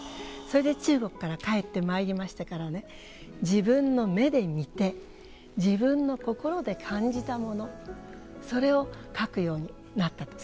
それで中国から帰ってまいりましてからね自分の目で見て自分の心で感じたものそれを描くようになったと。